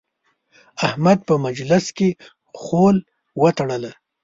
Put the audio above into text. احمد په مجلس کې خول وتړله.